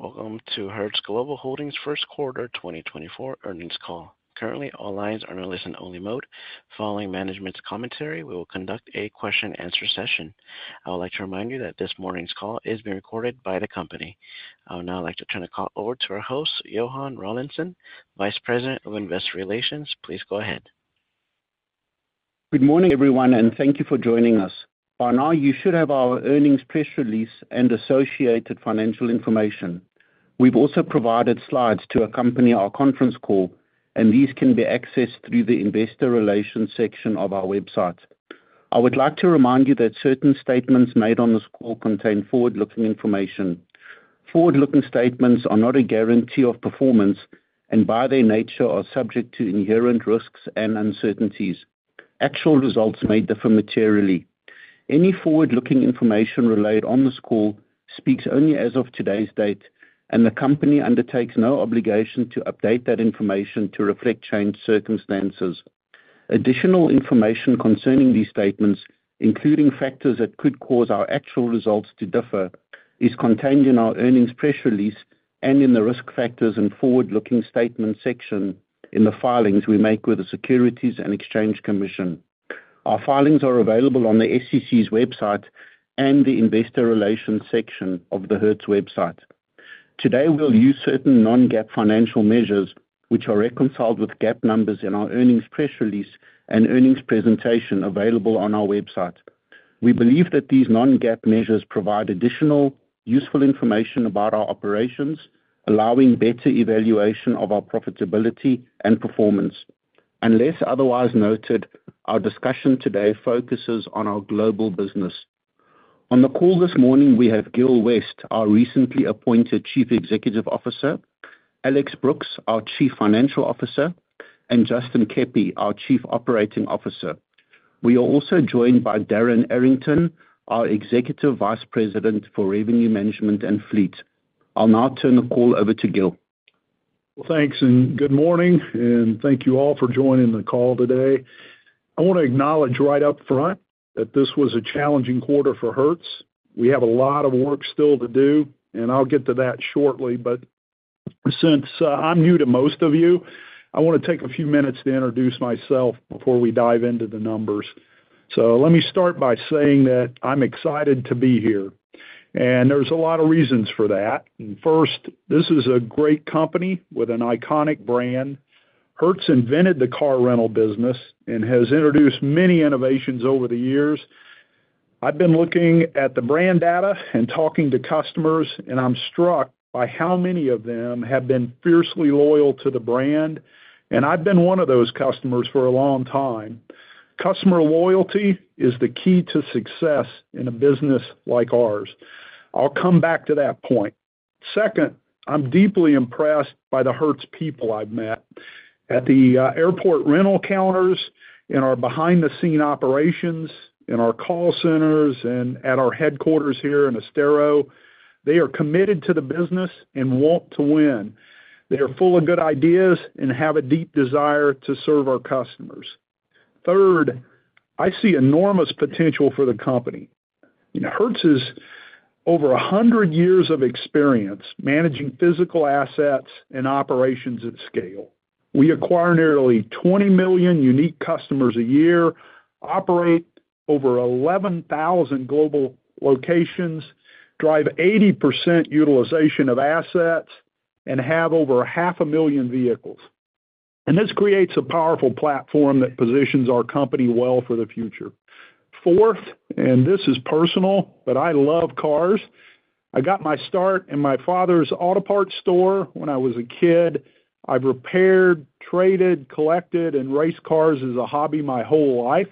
Welcome to Hertz Global Holdings' first quarter 2024 earnings call. Currently, all lines are in listen-only mode. Following management's commentary, we will conduct a question-and-answer session. I would like to remind you that this morning's call is being recorded by the company. I would now like to turn the call over to our host, Johann Rawlinson, Vice President of Investor Relations. Please go ahead. Good morning, everyone, and thank you for joining us. By now, you should have our earnings press release and associated financial information. We've also provided slides to accompany our conference call, and these can be accessed through the Investor Relations section of our website. I would like to remind you that certain statements made on this call contain forward-looking information. Forward-looking statements are not a guarantee of performance, and by their nature, are subject to inherent risks and uncertainties. Actual results may differ materially. Any forward-looking information relayed on this call speaks only as of today's date, and the company undertakes no obligation to update that information to reflect changed circumstances. Additional information concerning these statements, including factors that could cause our actual results to differ, is contained in our earnings press release and in the risk factors and forward-looking statements section in the filings we make with the Securities and Exchange Commission. Our filings are available on the SEC's website and the Investor Relations section of the Hertz website. Today, we'll use certain non-GAAP financial measures, which are reconciled with GAAP numbers in our earnings press release and earnings presentation available on our website. We believe that these non-GAAP measures provide additional useful information about our operations, allowing better evaluation of our profitability and performance. Unless otherwise noted, our discussion today focuses on our global business. On the call this morning, we have Gil West, our recently appointed Chief Executive Officer, Alex Brooks, our Chief Financial Officer, and Justin Keppy, our Chief Operating Officer. We are also joined by Darren Arrington, our Executive Vice President for Revenue Management and Fleet. I'll now turn the call over to Gil. Well, thanks, and good morning, and thank you all for joining the call today. I want to acknowledge right up front that this was a challenging quarter for Hertz. We have a lot of work still to do, and I'll get to that shortly. But since I'm new to most of you, I want to take a few minutes to introduce myself before we dive into the numbers. So let me start by saying that I'm excited to be here, and there's a lot of reasons for that. First, this is a great company with an iconic brand. Hertz invented the car rental business and has introduced many innovations over the years. I've been looking at the brand data and talking to customers, and I'm struck by how many of them have been fiercely loyal to the brand. And I've been one of those customers for a long time. Customer loyalty is the key to success in a business like ours. I'll come back to that point. Second, I'm deeply impressed by the Hertz people I've met. At the airport rental counters, in our behind-the-scenes operations, in our call centers, and at our headquarters here in Estero, they are committed to the business and want to win. They are full of good ideas and have a deep desire to serve our customers. Third, I see enormous potential for the company. Hertz has over 100 years of experience managing physical assets and operations at scale. We acquire nearly 20 million unique customers a year, operate over 11,000 global locations, drive 80% utilization of assets, and have over 500,000 vehicles. This creates a powerful platform that positions our company well for the future. Fourth, and this is personal, but I love cars. I got my start in my father's auto parts store when I was a kid. I've repaired, traded, collected, and raced cars as a hobby my whole life.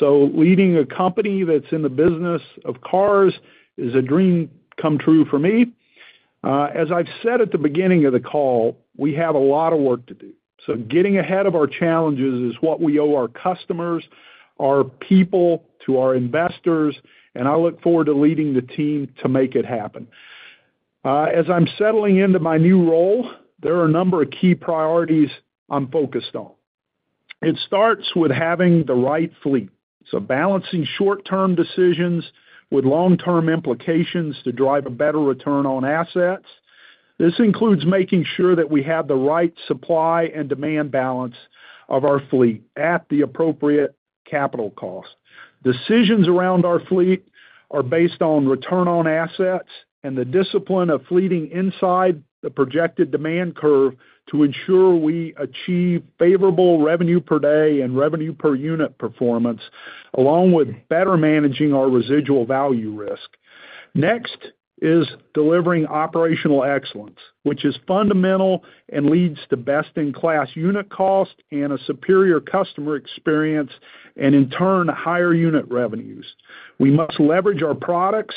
Leading a company that's in the business of cars is a dream come true for me. As I've said at the beginning of the call, we have a lot of work to do. Getting ahead of our challenges is what we owe our customers, our people, to our investors, and I look forward to leading the team to make it happen. As I'm settling into my new role, there are a number of key priorities I'm focused on. It starts with having the right fleet. Balancing short-term decisions with long-term implications to drive a better return on assets. This includes making sure that we have the right supply and demand balance of our fleet at the appropriate capital cost. Decisions around our fleet are based on return on assets and the discipline of fleeting inside the projected demand curve to ensure we achieve favorable revenue per day and revenue per unit performance, along with better managing our residual value risk. Next is delivering operational excellence, which is fundamental and leads to best-in-class unit cost and a superior customer experience, and in turn, higher unit revenues. We must leverage our products,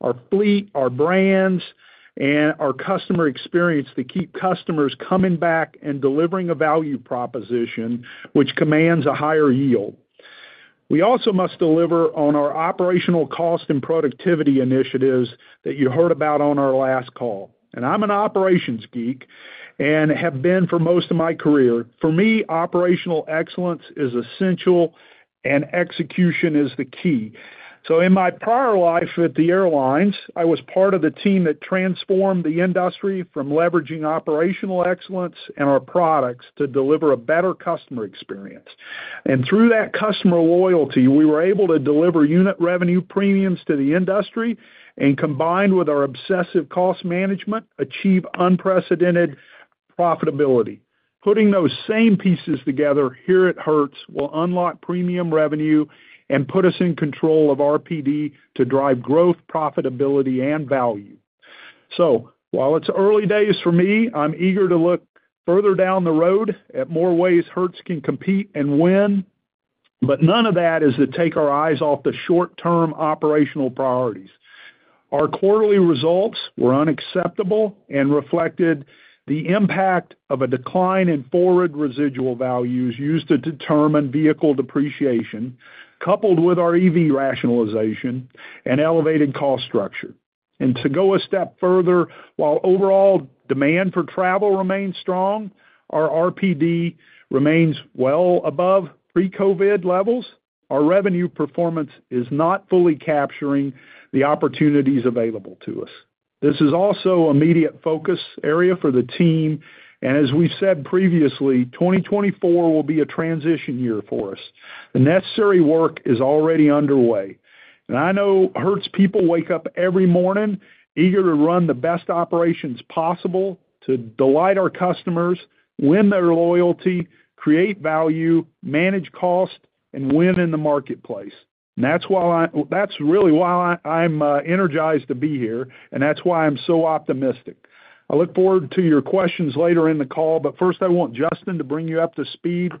our fleet, our brands, and our customer experience to keep customers coming back and delivering a value proposition which commands a higher yield. We also must deliver on our operational cost and productivity initiatives that you heard about on our last call. I'm an operations geek and have been for most of my career. For me, operational excellence is essential, and execution is the key. So in my prior life at the airlines, I was part of the team that transformed the industry from leveraging operational excellence and our products to deliver a better customer experience. And through that customer loyalty, we were able to deliver unit revenue premiums to the industry and, combined with our obsessive cost management, achieve unprecedented profitability. Putting those same pieces together here at Hertz will unlock premium revenue and put us in control of RPD to drive growth, profitability, and value. So while it's early days for me, I'm eager to look further down the road at more ways Hertz can compete and win. But none of that is to take our eyes off the short-term operational priorities. Our quarterly results were unacceptable and reflected the impact of a decline in forward residual values used to determine vehicle depreciation, coupled with our EV rationalization and elevated cost structure. To go a step further, while overall demand for travel remains strong, our RPD remains well above pre-COVID levels, our revenue performance is not fully capturing the opportunities available to us. This is also an immediate focus area for the team. As we've said previously, 2024 will be a transition year for us. The necessary work is already underway. I know Hertz people wake up every morning eager to run the best operations possible to delight our customers, win their loyalty, create value, manage cost, and win in the marketplace. That's really why I'm energized to be here, and that's why I'm so optimistic. I look forward to your questions later in the call, but first, I want Justin to bring you up to speed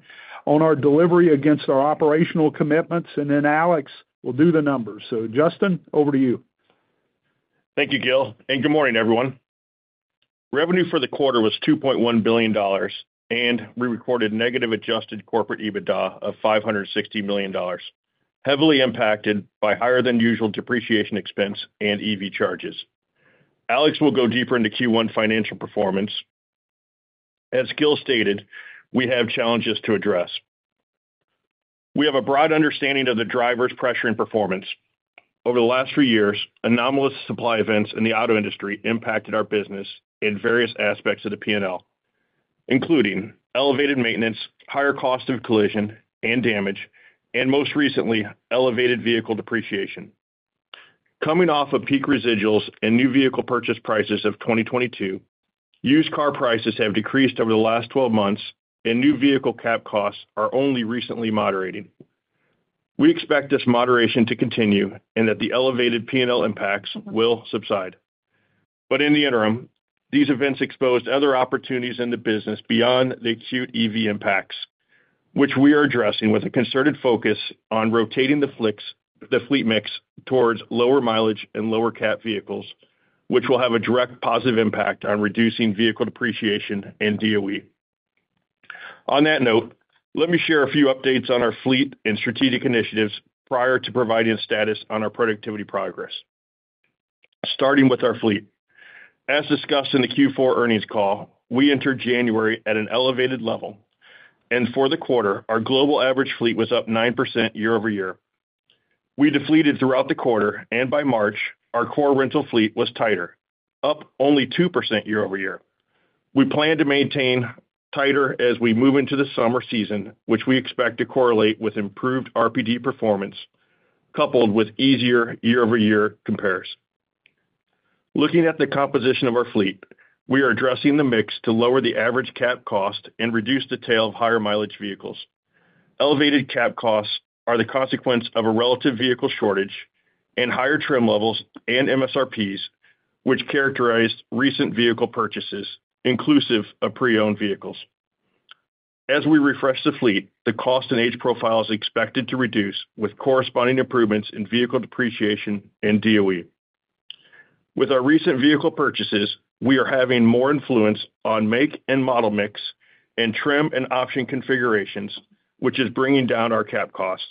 on our delivery against our operational commitments, and then Alex will do the numbers. Justin, over to you. Thank you, Gil, and good morning, everyone. Revenue for the quarter was $2.1 billion and we recorded negative adjusted corporate EBITDA of $560 million, heavily impacted by higher-than-usual depreciation expense and EV charges. Alex will go deeper into Q1 financial performance. As Gil stated, we have challenges to address. We have a broad understanding of the drivers pressuring performance. Over the last few years, anomalous supply events in the auto industry impacted our business in various aspects of the P&L, including elevated maintenance, higher cost of collision and damage, and most recently, elevated vehicle depreciation. Coming off of peak residuals and new vehicle purchase prices of 2022, used car prices have decreased over the last 12 months, and new vehicle cap costs are only recently moderating. We expect this moderation to continue and that the elevated P&L impacts will subside. But in the interim, these events exposed other opportunities in the business beyond the acute EV impacts, which we are addressing with a concerted focus on rotating the fleet mix towards lower mileage and lower cap vehicles, which will have a direct positive impact on reducing vehicle depreciation and DOE. On that note, let me share a few updates on our fleet and strategic initiatives prior to providing status on our productivity progress. Starting with our fleet. As discussed in the Q4 earnings call, we entered January at an elevated level, and for the quarter, our global average fleet was up 9% year-over-year. We depleted throughout the quarter, and by March, our core rental fleet was tighter, up only 2% year-over-year. We plan to maintain tighter as we move into the summer season, which we expect to correlate with improved RPD performance coupled with easier year-over-year comparisons. Looking at the composition of our fleet, we are addressing the mix to lower the average cap cost and reduce the tail of higher mileage vehicles. Elevated cap costs are the consequence of a relative vehicle shortage and higher trim levels and MSRPs, which characterized recent vehicle purchases, inclusive of pre-owned vehicles. As we refresh the fleet, the cost and age profile is expected to reduce with corresponding improvements in vehicle depreciation and DOE. With our recent vehicle purchases, we are having more influence on make and model mix and trim and option configurations, which is bringing down our cap costs.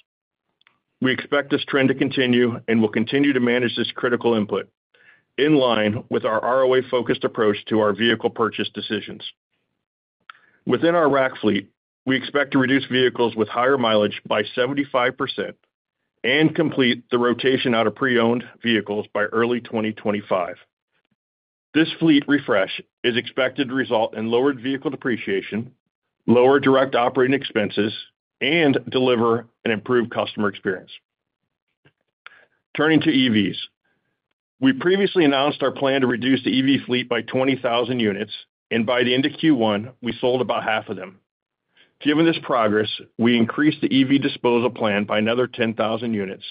We expect this trend to continue and will continue to manage this critical input in line with our ROA-focused approach to our vehicle purchase decisions. Within our RAC fleet, we expect to reduce vehicles with higher mileage by 75% and complete the rotation out of pre-owned vehicles by early 2025. This fleet refresh is expected to result in lowered vehicle depreciation, lower direct operating expenses, and deliver an improved customer experience. Turning to EVs. We previously announced our plan to reduce the EV fleet by 20,000 units, and by the end of Q1, we sold about half of them. Given this progress, we increased the EV disposal plan by another 10,000 units,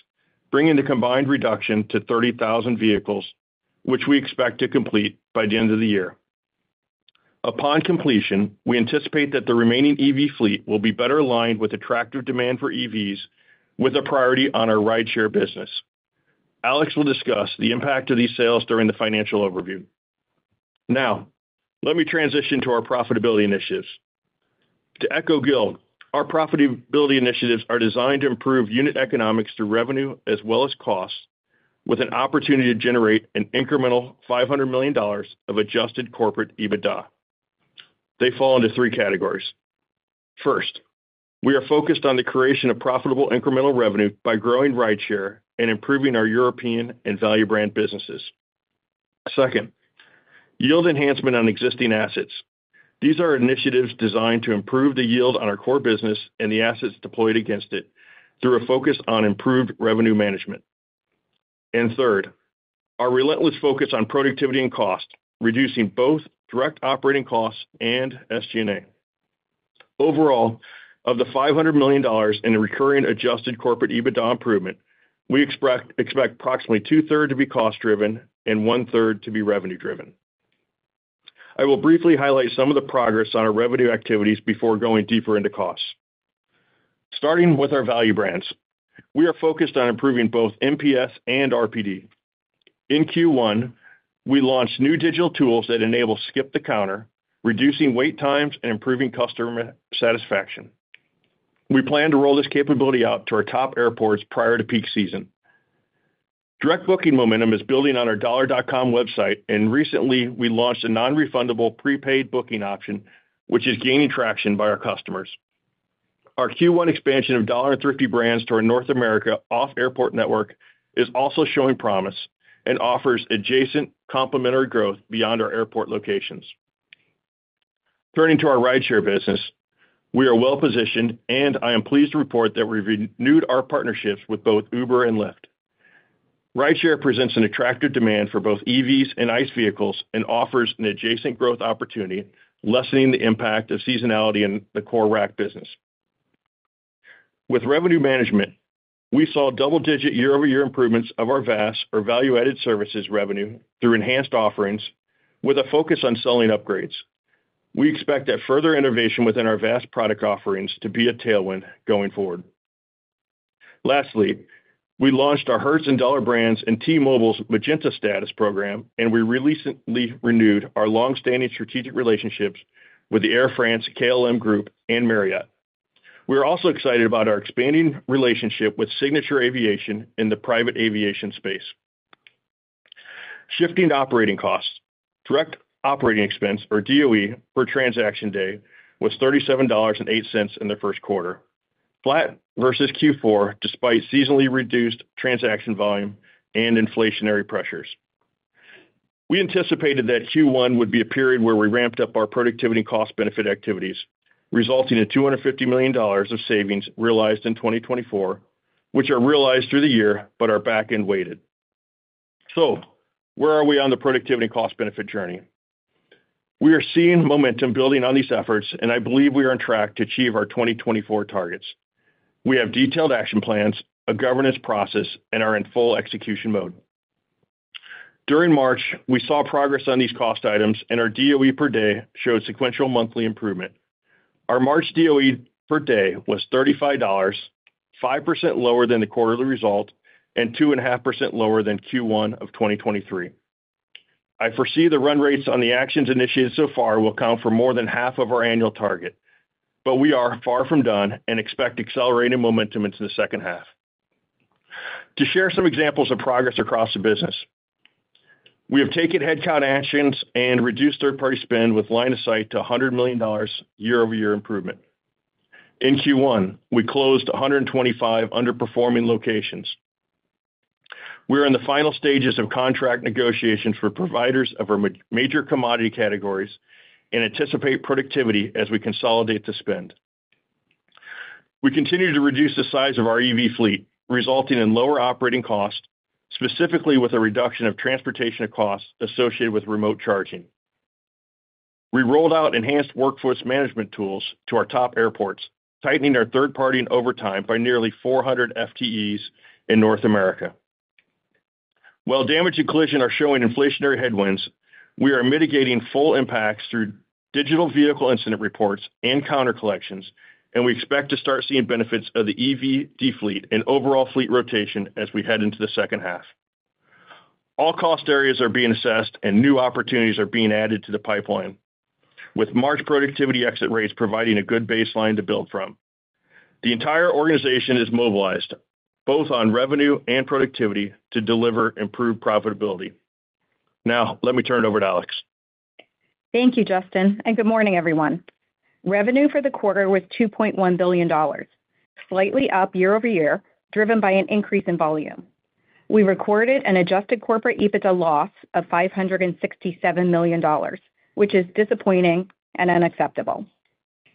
bringing the combined reduction to 30,000 vehicles, which we expect to complete by the end of the year. Upon completion, we anticipate that the remaining EV fleet will be better aligned with attractive demand for EVs, with a priority on our rideshare business. Alex will discuss the impact of these sales during the financial overview. Now, let me transition to our profitability initiatives. To echo Gil, our profitability initiatives are designed to improve unit economics through revenue as well as costs, with an opportunity to generate an incremental $500 million of Adjusted Corporate EBITDA. They fall into three categories. First, we are focused on the creation of profitable incremental revenue by growing rideshare and improving our European and value brand businesses. Second, yield enhancement on existing assets. These are initiatives designed to improve the yield on our core business and the assets deployed against it through a focus on improved revenue management. Third, our relentless focus on productivity and cost, reducing both direct operating costs and SG&A. Overall, of the $500 million in the recurring Adjusted Corporate EBITDA improvement, we expect approximately two-thirds to be cost-driven and one-third to be revenue-driven. I will briefly highlight some of the progress on our revenue activities before going deeper into costs. Starting with our value brands, we are focused on improving both NPS and RPD. In Q1, we launched new digital tools that enable Skip-the-counter, reducing wait times and improving customer satisfaction. We plan to roll this capability out to our top airports prior to peak season. Direct booking momentum is building on our Dollar.com website, and recently, we launched a non-refundable prepaid booking option, which is gaining traction by our customers. Our Q1 expansion of Dollar and Thrifty brands to our North America off-airport network is also showing promise and offers adjacent complementary growth beyond our airport locations. Turning to our rideshare business, we are well-positioned, and I am pleased to report that we renewed our partnerships with both Uber and Lyft. Rideshare presents an attractive demand for both EVs and ICE vehicles and offers an adjacent growth opportunity, lessening the impact of seasonality in the core RAC business. With revenue management, we saw double-digit year-over-year improvements of our VAS, our value-added services revenue, through enhanced offerings with a focus on selling upgrades. We expect that further innovation within our VAS product offerings to be a tailwind going forward. Lastly, we launched our Hertz and Dollar brands and T-Mobile's Magenta Status program, and we recently renewed our longstanding strategic relationships with the Air France-KLM Group and Marriott. We are also excited about our expanding relationship with Signature Aviation in the private aviation space. Shifting to operating costs. Direct operating expense, or DOE, per transaction day was $37.08 in the first quarter, flat versus Q4 despite seasonally reduced transaction volume and inflationary pressures. We anticipated that Q1 would be a period where we ramped up our productivity cost-benefit activities, resulting in $250 million of savings realized in 2024, which are realized through the year but are back-end weighted. So where are we on the productivity cost-benefit journey? We are seeing momentum building on these efforts, and I believe we are on track to achieve our 2024 targets. We have detailed action plans, a governance process, and are in full execution mode. During March, we saw progress on these cost items, and our DOE per day showed sequential monthly improvement. Our March DOE per day was $35, 5% lower than the quarterly result, and 2.5% lower than Q1 of 2023. I foresee the run rates on the actions initiated so far will count for more than half of our annual target, but we are far from done and expect accelerating momentum into the second half. To share some examples of progress across the business, we have taken headcount actions and reduced third-party spend with line of sight to $100 million year-over-year improvement. In Q1, we closed 125 underperforming locations. We are in the final stages of contract negotiations for providers of our major commodity categories and anticipate productivity as we consolidate the spend. We continue to reduce the size of our EV fleet, resulting in lower operating costs, specifically with a reduction of transportation costs associated with remote charging. We rolled out enhanced workforce management tools to our top airports, tightening our third-party and overtime by nearly 400 FTEs in North America. While damage and collision are showing inflationary headwinds, we are mitigating full impacts through digital vehicle incident reports and counter collections, and we expect to start seeing benefits of the EV fleet and overall fleet rotation as we head into the second half. All cost areas are being assessed, and new opportunities are being added to the pipeline, with March productivity exit rates providing a good baseline to build from. The entire organization is mobilized, both on revenue and productivity, to deliver improved profitability. Now, let me turn it over to Alex. Thank you, Justin, and good morning, everyone. Revenue for the quarter was $2.1 billion, slightly up year-over-year, driven by an increase in volume. We recorded an adjusted corporate EBITDA loss of $567 million, which is disappointing and unacceptable.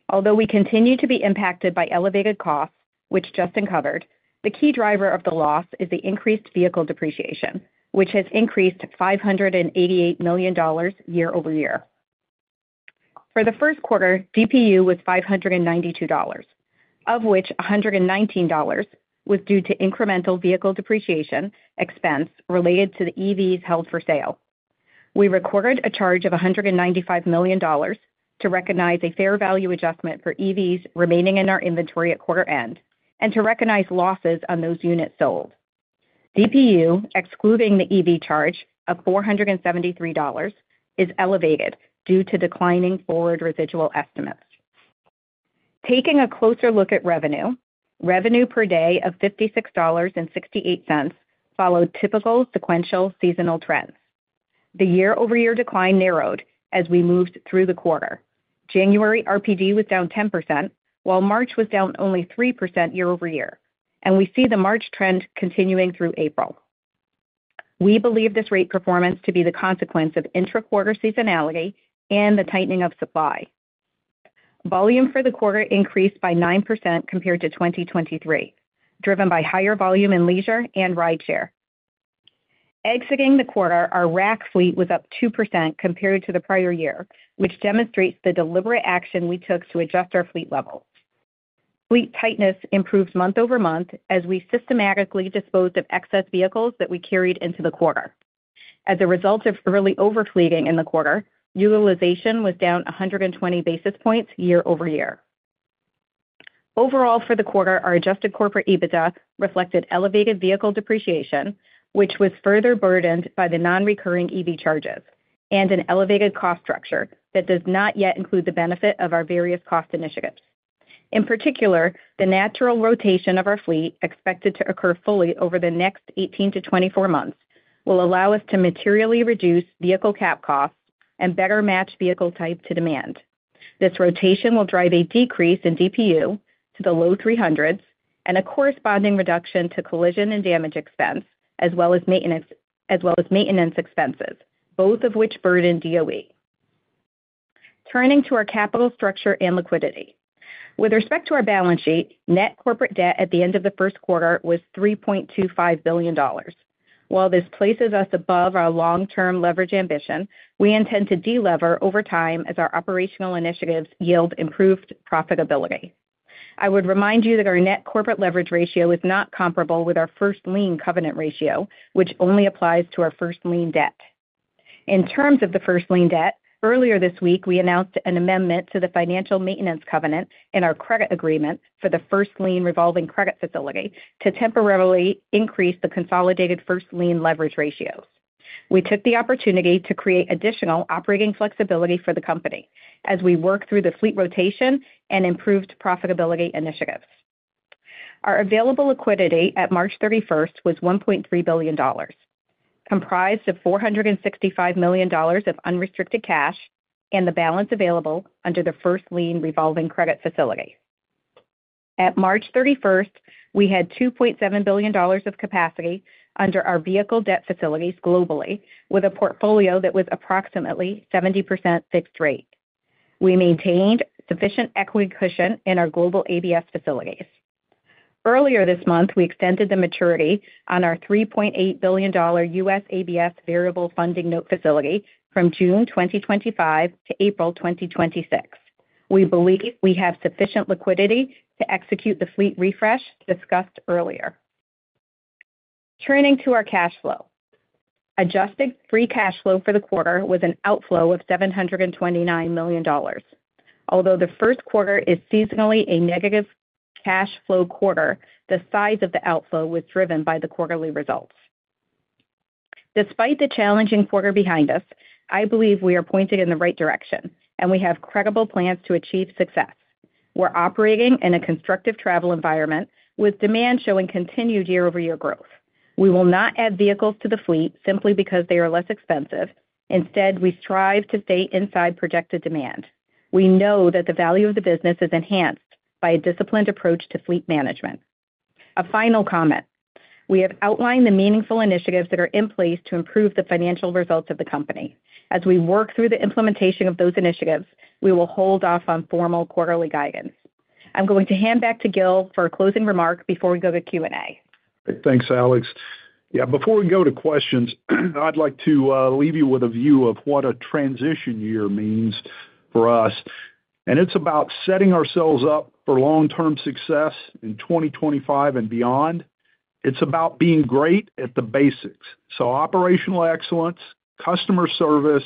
Although we continue to be impacted by elevated costs, which Justin covered, the key driver of the loss is the increased vehicle depreciation, which has increased to $588 million year-over-year. For the first quarter, DPU was $592, of which $119 was due to incremental vehicle depreciation expense related to the EVs held for sale. We recorded a charge of $195 million to recognize a fair value adjustment for EVs remaining in our inventory at quarter end and to recognize losses on those units sold. DPU, excluding the EV charge of $473, is elevated due to declining forward residual estimates. Taking a closer look at revenue, revenue per day of $56.68 followed typical sequential seasonal trends. The year-over-year decline narrowed as we moved through the quarter. January RPD was down 10%, while March was down only 3% year-over-year, and we see the March trend continuing through April. We believe this rate performance to be the consequence of intra-quarter seasonality and the tightening of supply. Volume for the quarter increased by 9% compared to 2023, driven by higher volume in leisure and rideshare. Exiting the quarter our RAC fleet was up 2% compared to the prior year, which demonstrates the deliberate action we took to adjust our fleet level. Fleet tightness improved month-over-month as we systematically disposed of excess vehicles that we carried into the quarter. As a result of early overfleeting in the quarter, utilization was down 120 basis points year-over-year. Overall, for the quarter, our adjusted corporate EBITDA reflected elevated vehicle depreciation, which was further burdened by the non-recurring EV charges and an elevated cost structure that does not yet include the benefit of our various cost initiatives. In particular, the natural rotation of our fleet, expected to occur fully over the next 18-24 months, will allow us to materially reduce vehicle cap costs and better match vehicle type to demand. This rotation will drive a decrease in DPU to the low 300s and a corresponding reduction to collision and damage expense as well as maintenance expenses, both of which burden DOE. Turning to our capital structure and liquidity. With respect to our balance sheet, net corporate debt at the end of the first quarter was $3.25 billion. While this places us above our long-term leverage ambition, we intend to de-lever over time as our operational initiatives yield improved profitability. I would remind you that our net corporate leverage ratio is not comparable with our first lien covenant ratio, which only applies to our first lien debt. In terms of the first lien debt, earlier this week, we announced an amendment to the financial maintenance covenant in our credit agreement for the first lien revolving credit facility to temporarily increase the consolidated first lien leverage ratios. We took the opportunity to create additional operating flexibility for the company as we work through the fleet rotation and improved profitability initiatives. Our available liquidity at March 31st was $1.3 billion, comprised of $465 million of unrestricted cash and the balance available under the first lien revolving credit facility. At March 31st, we had $2.7 billion of capacity under our vehicle debt facilities globally with a portfolio that was approximately 70% fixed rate. We maintained sufficient equity cushion in our global ABS facilities. Earlier this month, we extended the maturity on our $3.8 billion U.S. ABS variable funding note facility from June 2025 to April 2026. We believe we have sufficient liquidity to execute the fleet refresh discussed earlier. Turning to our cash flow. Adjusted free cash flow for the quarter was an outflow of $729 million. Although the first quarter is seasonally a negative cash flow quarter, the size of the outflow was driven by the quarterly results. Despite the challenging quarter behind us, I believe we are pointed in the right direction, and we have credible plans to achieve success. We're operating in a constructive travel environment with demand showing continued year-over-year growth. We will not add vehicles to the fleet simply because they are less expensive. Instead, we strive to stay inside projected demand. We know that the value of the business is enhanced by a disciplined approach to fleet management. A final comment. We have outlined the meaningful initiatives that are in place to improve the financial results of the company. As we work through the implementation of those initiatives, we will hold off on formal quarterly guidance. I'm going to hand back to Gil for a closing remark before we go to Q&A. Thanks, Alex. Yeah, before we go to questions, I'd like to leave you with a view of what a transition year means for us. It's about setting ourselves up for long-term success in 2025 and beyond. It's about being great at the basics. Operational excellence, customer service,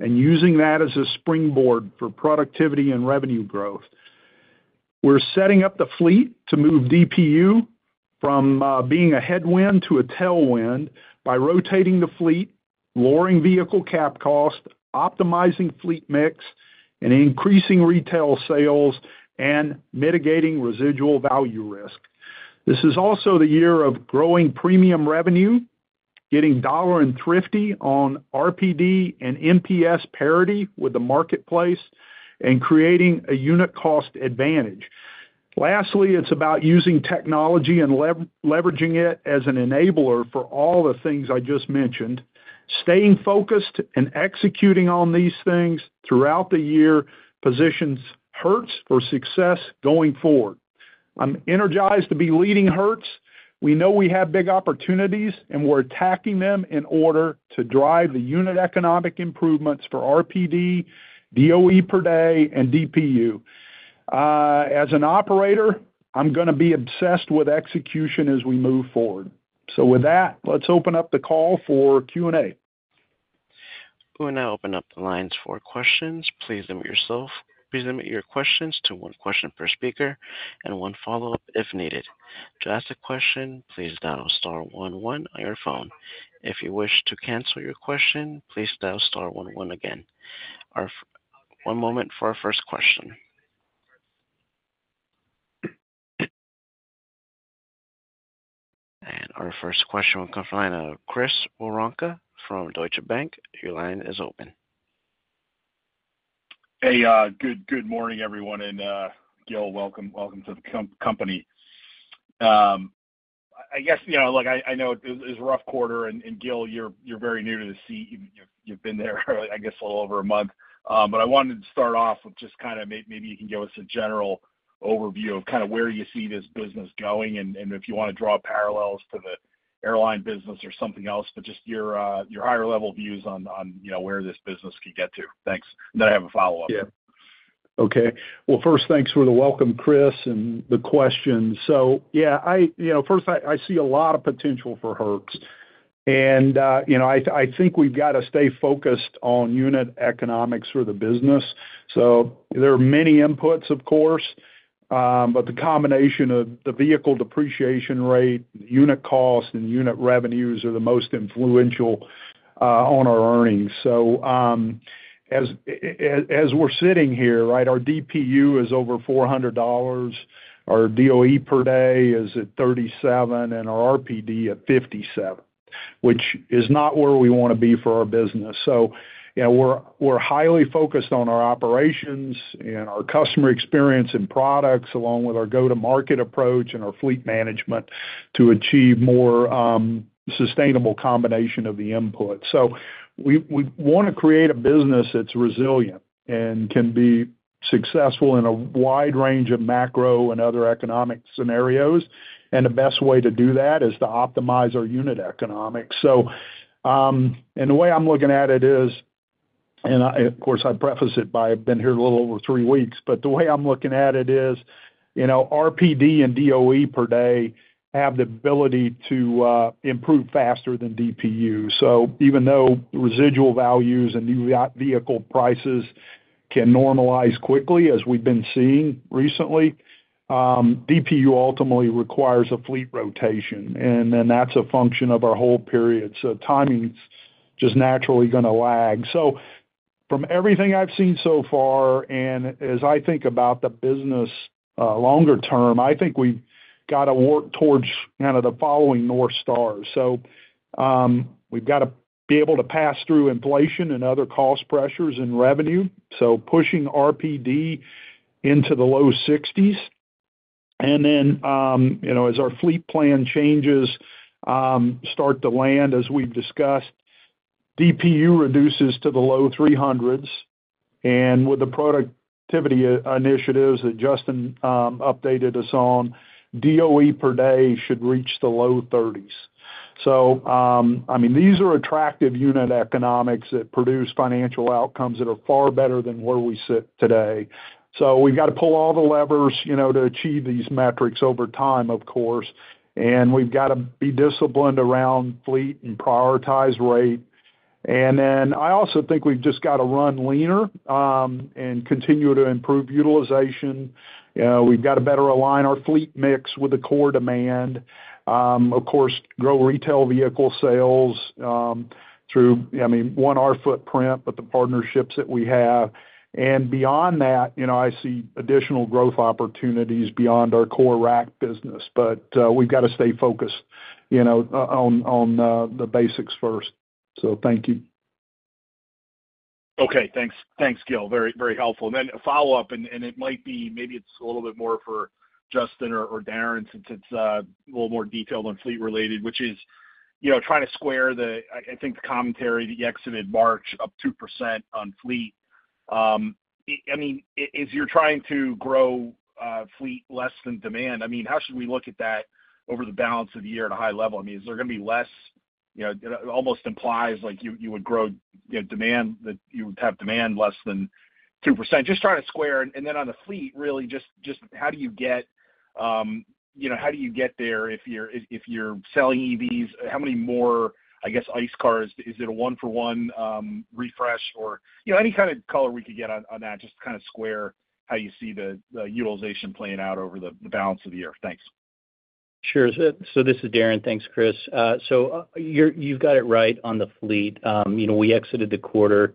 and using that as a springboard for productivity and revenue growth. We're setting up the fleet to move DPU from being a headwind to a tailwind by rotating the fleet, lowering vehicle cap cost, optimizing fleet mix, and increasing retail sales, and mitigating residual value risk. This is also the year of growing premium revenue, getting Dollar and Thrifty on RPD and NPS parity with the marketplace, and creating a unit cost advantage. Lastly, it's about using technology and leveraging it as an enabler for all the things I just mentioned. Staying focused and executing on these things throughout the year positions Hertz for success going forward. I'm energized to be leading Hertz. We know we have big opportunities, and we're attacking them in order to drive the unit economic improvements for RPD, DOE per day, and DPU. As an operator, I'm going to be obsessed with execution as we move forward. With that, let's open up the call for Q&A. We're going to open up the lines for questions. Please limit yourself. Please limit your questions to one question per speaker and one follow-up if needed. To ask a question, please dial star one one on your phone. If you wish to cancel your question, please dial star one one again. One moment for our first question. Our first question will come from Chris Woronka from Deutsche Bank. Your line is open. Hey, good morning, everyone. Gil, welcome to the company. I guess, look, I know it's a rough quarter. Gil, you're very new to the seat. You've been there, I guess, a little over a month. I wanted to start off with just kind of maybe you can give us a general overview of kind of where you see this business going and if you want to draw parallels to the airline business or something else, but just your higher-level views on where this business could get to. Thanks. Then I have a follow-up. Yeah. Okay. Well, first, thanks for the welcome, Chris, and the questions. So yeah, first, I see a lot of potential for Hertz. And I think we've got to stay focused on unit economics for the business. So there are many inputs, of course, but the combination of the vehicle depreciation rate, unit cost, and unit revenues are the most influential on our earnings. So as we're sitting here, right, our DPU is over $400, our DOE per day is at $37, and our RPD at $57, which is not where we want to be for our business. So we're highly focused on our operations and our customer experience and products along with our go-to-market approach and our fleet management to achieve more sustainable combination of the inputs. So we want to create a business that's resilient and can be successful in a wide range of macro and other economic scenarios. The best way to do that is to optimize our unit economics. So, the way I'm looking at it is, and of course, I preface it by I've been here a little over three weeks. But the way I'm looking at it is RPD and DOE per day have the ability to improve faster than DPU. So even though residual values and new vehicle prices can normalize quickly as we've been seeing recently, DPU ultimately requires a fleet rotation. Then that's a function of our whole period. So timing's just naturally going to lag. From everything I've seen so far and as I think about the business longer term, I think we've got to work towards kind of the following North Stars. So we've got to be able to pass through inflation and other cost pressures and revenue. So pushing RPD into the low 60s. And then as our fleet plan changes, start to land, as we've discussed, DPU reduces to the low 300s. And with the productivity initiatives that Justin updated us on, DOE per day should reach the low 30s. So I mean, these are attractive unit economics that produce financial outcomes that are far better than where we sit today. So we've got to pull all the levers to achieve these metrics over time, of course. And we've got to be disciplined around fleet and prioritize rate. And then I also think we've just got to run leaner and continue to improve utilization. We've got to better align our fleet mix with the core demand. Of course, grow retail vehicle sales through, I mean, our own footprint, but the partnerships that we have. And beyond that, I see additional growth opportunities beyond our core RAC business. But we've got to stay focused on the basics first. So thank you. Okay. Thanks, Gil. Very, very helpful. And then a follow-up, and it might be maybe it's a little bit more for Justin or Darren since it's a little more detailed and fleet-related, which is trying to square the, I think, the commentary that you exited March up 2% on fleet. I mean, as you're trying to grow fleet less than demand, I mean, how should we look at that over the balance of the year at a high level? I mean, is there going to be less it almost implies you would grow demand that you would have demand less than 2%. Just trying to square. And then on the fleet, really, just how do you get how do you get there if you're selling EVs? How many more, I guess, ICE cars? Is it a one-for-one refresh or any kind of color we could get on that, just to kind of square how you see the utilization playing out over the balance of the year? Thanks. Sure. So this is Darren. Thanks, Chris. So you've got it right on the fleet. We exited the quarter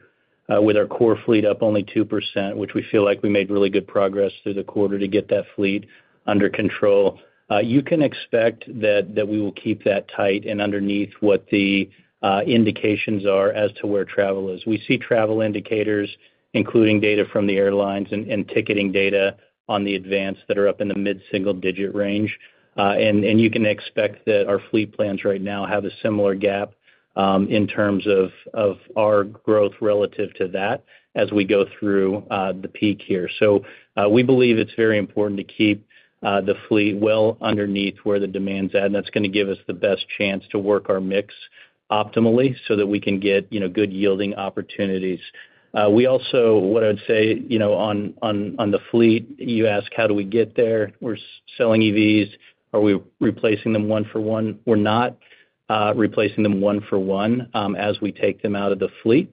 with our core fleet up only 2%, which we feel like we made really good progress through the quarter to get that fleet under control. You can expect that we will keep that tight and underneath what the indications are as to where travel is. We see travel indicators, including data from the airlines and ticketing data on the advance that are up in the mid-single-digit range. And you can expect that our fleet plans right now have a similar gap in terms of our growth relative to that as we go through the peak here. So we believe it's very important to keep the fleet well underneath where the demand's at. And that's going to give us the best chance to work our mix optimally so that we can get good yielding opportunities. We also, what I would say on the fleet, you ask, "How do we get there? We're selling EVs. Are we replacing them one-for-one?" We're not replacing them one-for-one as we take them out of the fleet.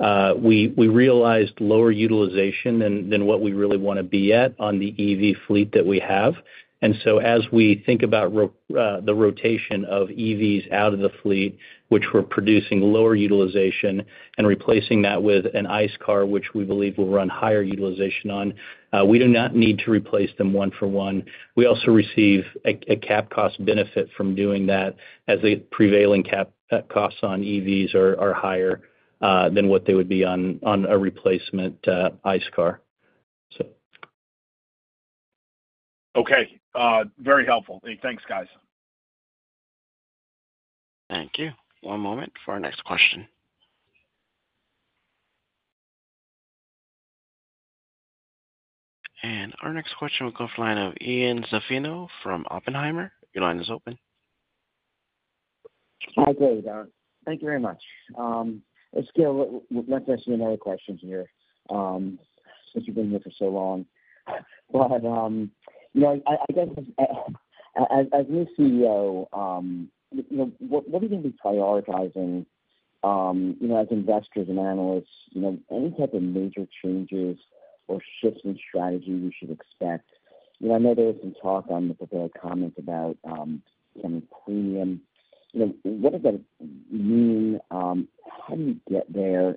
We realized lower utilization than what we really want to be at on the EV fleet that we have. And so as we think about the rotation of EVs out of the fleet, which we're producing lower utilization and replacing that with an ICE car, which we believe will run higher utilization on, we do not need to replace them one-for-one. We also receive a cap cost benefit from doing that as the prevailing cap costs on EVs are higher than what they would be on a replacement ICE car, so. Okay. Very helpful. Thanks, guys. Thank you. One moment for our next question. Our next question will go for the line of Ian Zaffino from Oppenheimer. Your line is open. Hi, Gil. Thank you very much. It's Gil. Let's ask you another question here since you've been here for so long. But I guess as new CEO, what are you going to be prioritizing as investors and analysts? Any type of major changes or shifts in strategy we should expect? I know there was some talk on the prepared comments about some premium. What does that mean? How do you get there?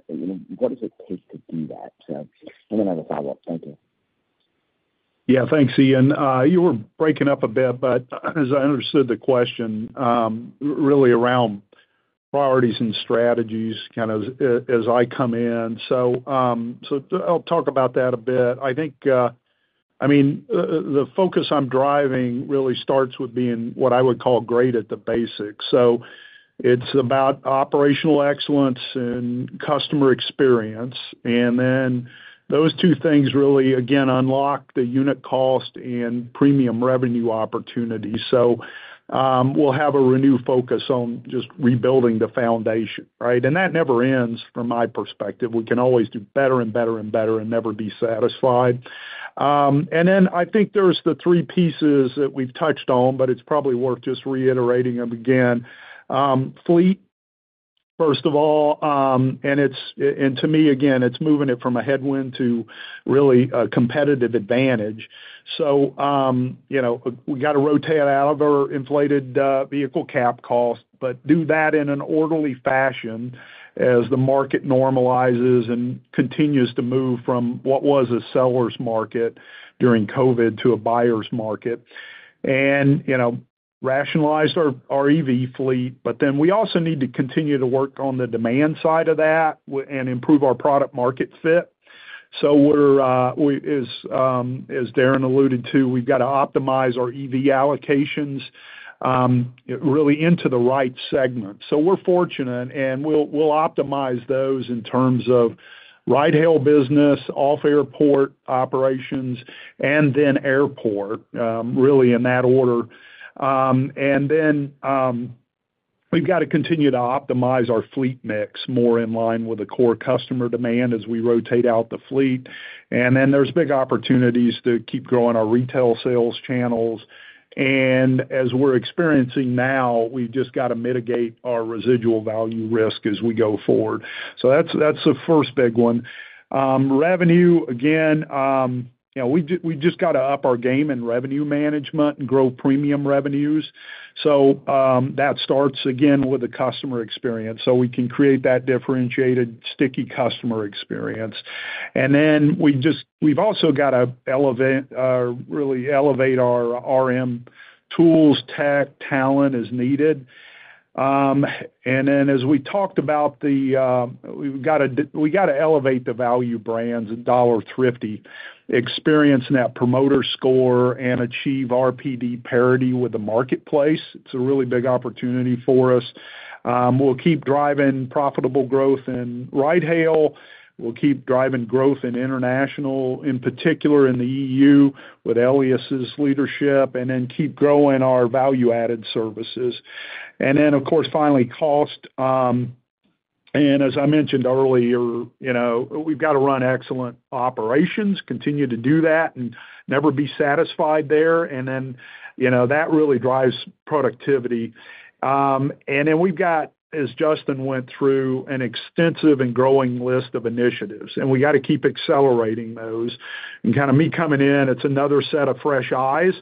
What does it take to do that? So I'm going to have a follow-up. Thank you. Yeah. Thanks, Ian. You were breaking up a bit, but as I understood the question, really around priorities and strategies kind of as I come in. So I'll talk about that a bit. I mean, the focus I'm driving really starts with being what I would call great at the basics. So it's about operational excellence and customer experience. And then those two things really, again, unlock the unit cost and premium revenue opportunities. So we'll have a renewed focus on just rebuilding the foundation, right? And that never ends from my perspective. We can always do better and better and better and never be satisfied. And then I think there's the three pieces that we've touched on, but it's probably worth just reiterating them again. Fleet, first of all. And to me, again, it's moving it from a headwind to really a competitive advantage. So we got to rotate out of our inflated vehicle cap cost, but do that in an orderly fashion as the market normalizes and continues to move from what was a seller's market during COVID to a buyer's market. Rationalize our EV fleet. Then we also need to continue to work on the demand side of that and improve our product-market fit. As Darren alluded to, we've got to optimize our EV allocations really into the right segments. We're fortunate, and we'll optimize those in terms of ride-hail business, off-airport operations, and then airport, really in that order. Then we've got to continue to optimize our fleet mix more in line with the core customer demand as we rotate out the fleet. Then there's big opportunities to keep growing our retail sales channels. As we're experiencing now, we've just got to mitigate our residual value risk as we go forward. So that's the first big one. Revenue, again, we just got to up our game in revenue management and grow premium revenues. So that starts, again, with the customer experience. So we can create that differentiated, sticky customer experience. And then we've also got to really elevate our RM tools, tech, talent as needed. And then as we talked about we got to elevate the value brands and Dollar Thrifty experience in that promoter score and achieve RPD parity with the marketplace. It's a really big opportunity for us. We'll keep driving profitable growth in ride-hail. We'll keep driving growth in international, in particular in the EU with Elyes's leadership, and then keep growing our value-added services. And then, of course, finally, cost. As I mentioned earlier, we've got to run excellent operations, continue to do that, and never be satisfied there. That really drives productivity. We've got, as Justin went through, an extensive and growing list of initiatives. We got to keep accelerating those. Kind of me coming in, it's another set of fresh eyes.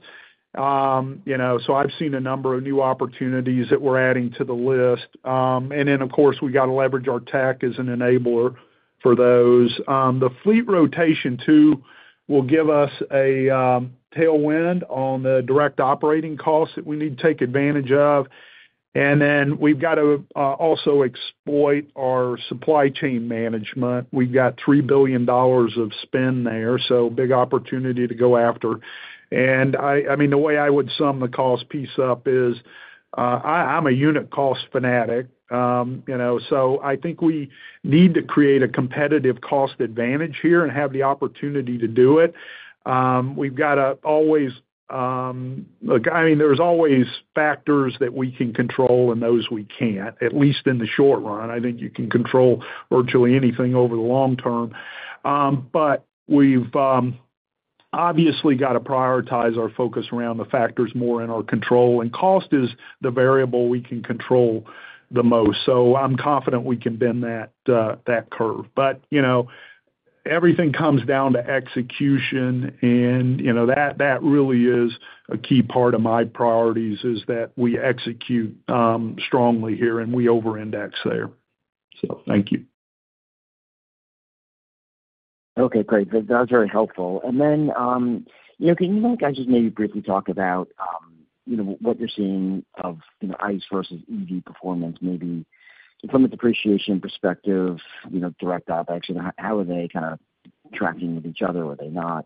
I've seen a number of new opportunities that we're adding to the list. Of course, we got to leverage our tech as an enabler for those. The fleet rotation, too, will give us a tailwind on the direct operating costs that we need to take advantage of. We've got to also exploit our supply chain management. We've got $3 billion of spend there, so big opportunity to go after. And I mean, the way I would sum the cost piece up is I'm a unit cost fanatic. So I think we need to create a competitive cost advantage here and have the opportunity to do it. We've got to always look. I mean, there's always factors that we can control and those we can't, at least in the short run. I think you can control virtually anything over the long term. But we've obviously got to prioritize our focus around the factors more in our control. And cost is the variable we can control the most. So I'm confident we can bend that curve. But everything comes down to execution. And that really is a key part of my priorities, is that we execute strongly here and we over-index there. So thank you. Okay. Great. That was very helpful. And then can I just maybe briefly talk about what you're seeing of ICE versus EV performance, maybe from a depreciation perspective, direct OpEx, and how are they kind of tracking with each other? Are they not?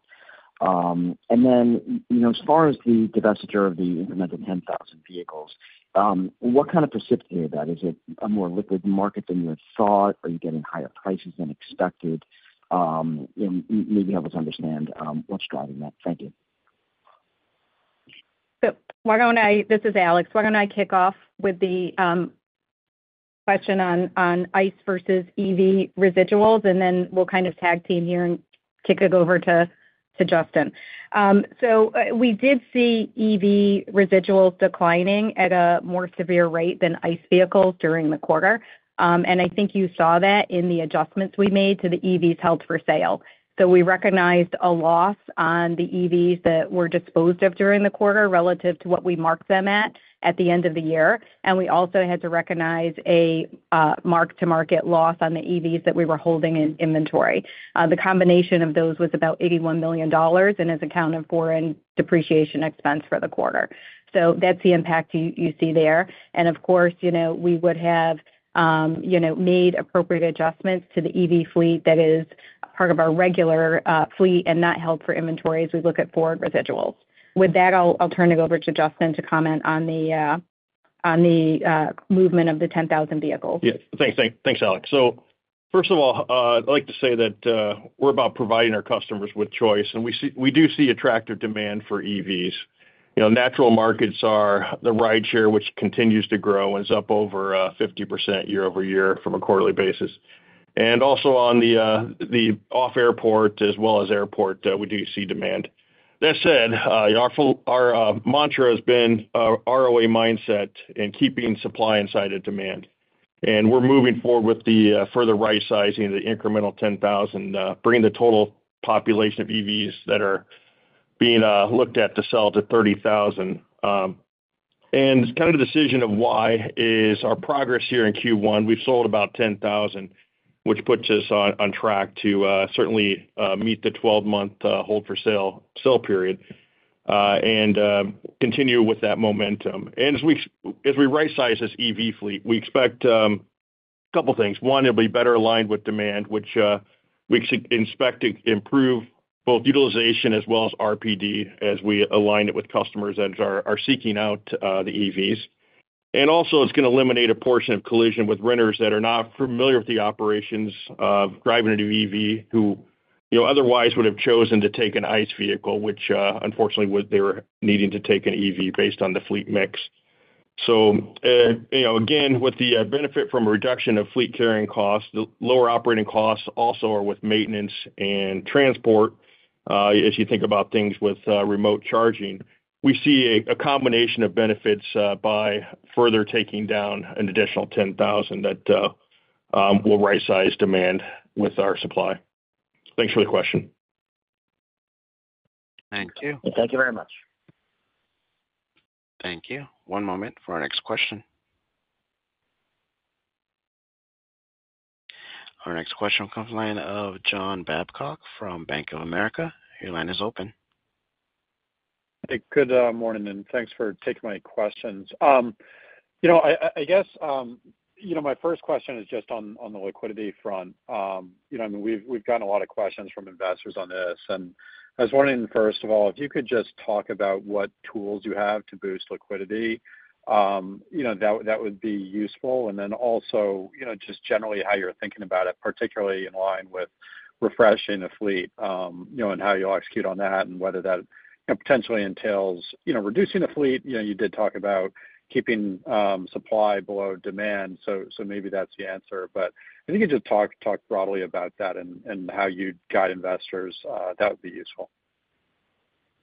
And then as far as the divestiture of the incremental 10,000 vehicles, what kind of precipitated that? Is it a more liquid market than you had thought? Are you getting higher prices than expected? Maybe help us understand what's driving that. Thank you. So this is Alex. Why don't I kick off with the question on ICE versus EV residuals? And then we'll kind of tag team here and kick it over to Justin. So we did see EV residuals declining at a more severe rate than ICE vehicles during the quarter. And I think you saw that in the adjustments we made to the EVs held for sale. So we recognized a loss on the EVs that were disposed of during the quarter relative to what we marked them at the end of the year. And we also had to recognize a mark-to-market loss on the EVs that we were holding in inventory. The combination of those was about $81 million and is accounted for in depreciation expense for the quarter. So that's the impact you see there. And of course, we would have made appropriate adjustments to the EV fleet that is part of our regular fleet and not held for inventory as we look at Ford residuals. With that, I'll turn it over to Justin to comment on the movement of the 10,000 vehicles. Yes. Thanks, Alex. So first of all, I'd like to say that we're about providing our customers with choice. We do see attractive demand for EVs. Natural markets are the rideshare, which continues to grow and is up over 50% year-over-year from a quarterly basis. Also on the off-airport as well as airport, we do see demand. That said, our mantra has been ROA mindset and keeping supply inside of demand. We're moving forward with the further right-sizing of the incremental 10,000, bringing the total population of EVs that are being looked at to sell to 30,000. Kind of the decision of why is our progress here in Q1. We've sold about 10,000, which puts us on track to certainly meet the 12-month hold-for-sale period and continue with that momentum. As we right-size this EV fleet, we expect a couple of things. One, it'll be better aligned with demand, which we expect to improve both utilization as well as RPD as we align it with customers that are seeking out the EVs. And also, it's going to eliminate a portion of collision with renters that are not familiar with the operations of driving a new EV who otherwise would have chosen to take an ICE vehicle, which unfortunately, they were needing to take an EV based on the fleet mix. So again, with the benefit from a reduction of fleet carrying costs, the lower operating costs also are with maintenance and transport. As you think about things with remote charging, we see a combination of benefits by further taking down an additional 10,000 that will right-size demand with our supply. Thanks for the question. Thank you. Thank you very much. Thank you. One moment for our next question. Our next question will come from the line of John Babcock from Bank of America. Your line is open. Good morning, and thanks for taking my questions. I guess my first question is just on the liquidity front. I mean, we've gotten a lot of questions from investors on this. And I was wondering, first of all, if you could just talk about what tools you have to boost liquidity, that would be useful. And then also just generally how you're thinking about it, particularly in line with refreshing the fleet and how you'll execute on that and whether that potentially entails reducing the fleet. You did talk about keeping supply below demand. So maybe that's the answer. But I think you could just talk broadly about that and how you'd guide investors. That would be useful.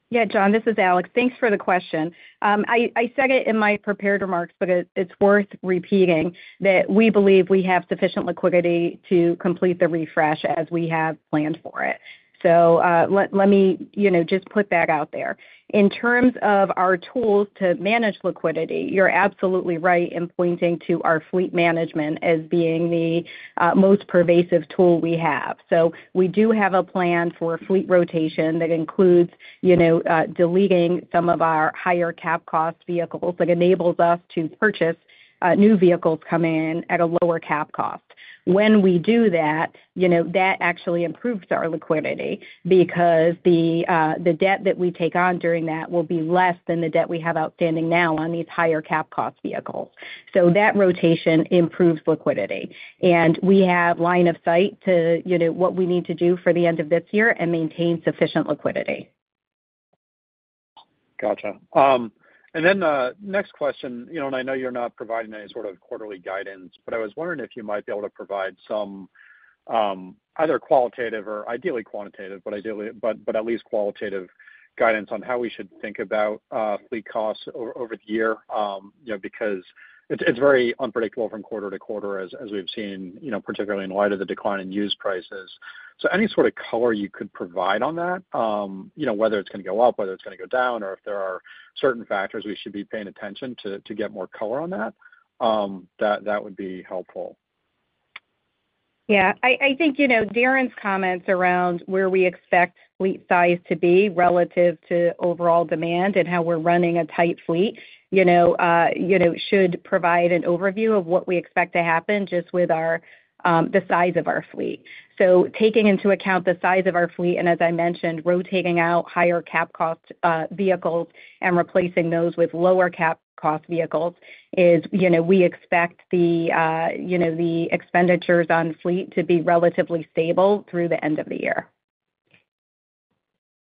Yeah, John, this is Alex. Thanks for the question. I said it in my prepared remarks, but it's worth repeating that we believe we have sufficient liquidity to complete the refresh as we have planned for it. So let me just put that out there. In terms of our tools to manage liquidity, you're absolutely right in pointing to our fleet management as being the most pervasive tool we have. So we do have a plan for fleet rotation that includes deleting some of our higher cap-cost vehicles, that enables us to purchase new vehicles coming in at a lower cap cost. When we do that, that actually improves our liquidity because the debt that we take on during that will be less than the debt we have outstanding now on these higher cap-cost vehicles. So that rotation improves liquidity. We have line of sight to what we need to do for the end of this year and maintain sufficient liquidity. Gotcha. And then next question, and I know you're not providing any sort of quarterly guidance, but I was wondering if you might be able to provide some either qualitative or ideally quantitative, but at least qualitative guidance on how we should think about fleet costs over the year because it's very unpredictable from quarter to quarter as we've seen, particularly in light of the decline in used prices. So any sort of color you could provide on that, whether it's going to go up, whether it's going to go down, or if there are certain factors we should be paying attention to get more color on that, that would be helpful. Yeah. I think Darren's comments around where we expect fleet size to be relative to overall demand and how we're running a tight fleet should provide an overview of what we expect to happen just with the size of our fleet. So taking into account the size of our fleet and, as I mentioned, rotating out higher cap-cost vehicles and replacing those with lower cap-cost vehicles, we expect the expenditures on fleet to be relatively stable through the end of the year.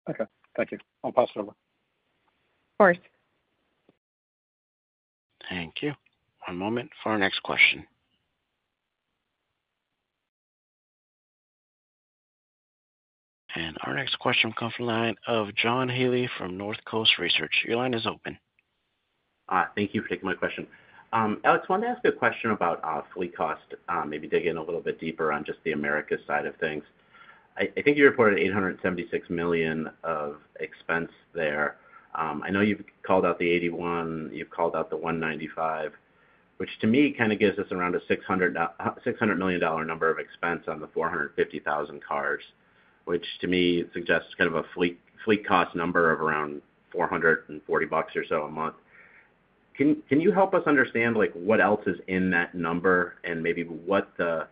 Okay. Thank you. I'll pass it over. Of course. Thank you. One moment for our next question. Our next question will come from the line of John Healy from North Coast Research. Your line is open. Thank you for taking my question. Alex, I wanted to ask a question about fleet cost, maybe dig in a little bit deeper on just the America side of things. I think you reported $876 million of expense there. I know you've called out the $81. You've called out the $195, which to me kind of gives us around a $600 million number of expense on the 450,000 cars, which to me suggests kind of a fleet cost number of around $440 or so a month. Can you help us understand what else is in that number and maybe what the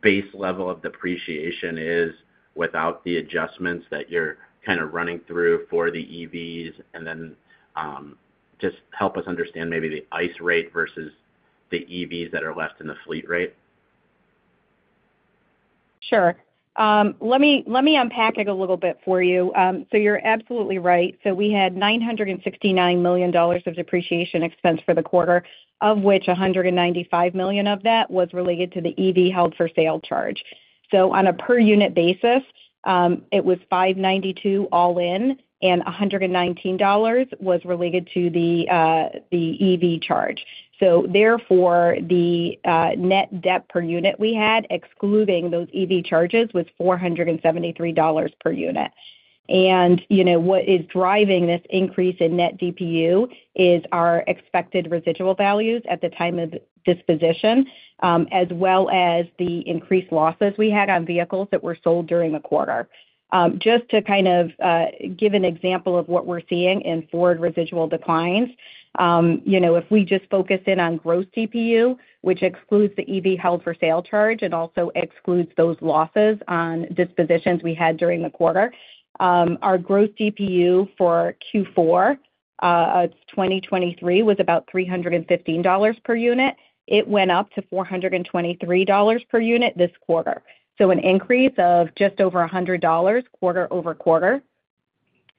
base level of depreciation is without the adjustments that you're kind of running through for the EVs? And then just help us understand maybe the ICE rate versus the EVs that are left in the fleet rate. Sure. Let me unpack it a little bit for you. So you're absolutely right. So we had $969 million of depreciation expense for the quarter, of which $195 million of that was related to the EV held-for-sale charge. So on a per-unit basis, it was $592 all in, and $119 was related to the EV charge. So therefore, the net debt per unit we had, excluding those EV charges, was $473 per unit. And what is driving this increase in net DPU is our expected residual values at the time of disposition, as well as the increased losses we had on vehicles that were sold during the quarter. Just to kind of give an example of what we're seeing in forward residual declines, if we just focus in on gross DPU, which excludes the EV held-for-sale charge and also excludes those losses on dispositions we had during the quarter, our gross DPU for Q4 of 2023 was about $315 per unit. It went up to $423 per unit this quarter. An increase of just over $100 quarter-over-quarter.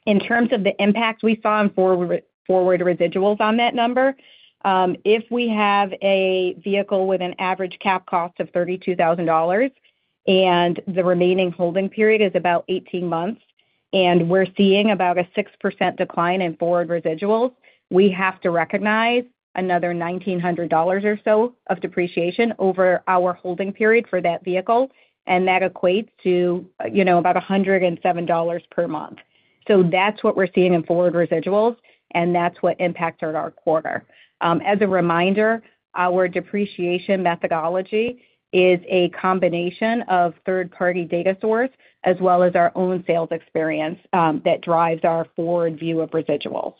In terms of the impact we saw on forward residuals on that number, if we have a vehicle with an average cap cost of $32,000 and the remaining holding period is about 18 months, and we're seeing about a 6% decline in forward residuals, we have to recognize another $1,900 or so of depreciation over our holding period for that vehicle. That equates to about $107 per month. So that's what we're seeing in forward residuals, and that's what impacts our quarter. As a reminder, our depreciation methodology is a combination of third-party data source as well as our own sales experience that drives our forward view of residuals.